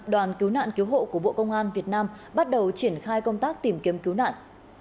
đoàn cứu nạn cứu hộ của bộ công an việt nam bắt đầu triển khai công tác tìm kiếm cứu nạn